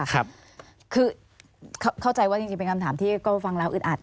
คือเข้าใจว่าจริงเป็นคำถามที่ก็ฟังแล้วอึดอัด